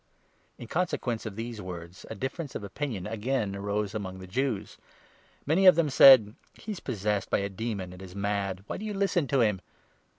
In consequence of these words a difference of opinion agai n arose among the Jews. Many of them said :" He is possessed by a demon and is mad ; why do you listen to him